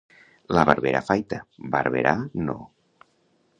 La barbera afaita, Barberà no.